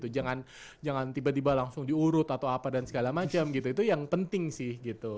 jangan tiba tiba langsung diurut atau apa dan segala macam gitu itu yang penting sih gitu